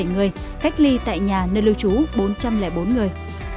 một mươi hai bốn trăm bốn mươi bảy người cách ly tại nhà nơi lưu trú bốn trăm linh bốn người